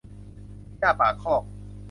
หญ้าปากคอก